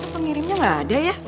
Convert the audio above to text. pengirimnya gak ada ya